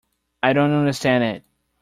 I don't understand it.